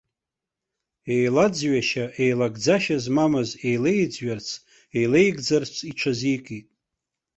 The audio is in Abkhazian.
Еилаӡҩашьа, еилагӡашьа змамыз еилаиӡҩарц, еилеигӡарц иҽазикит.